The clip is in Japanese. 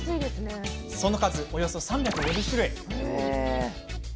その数、およそ３５０種類。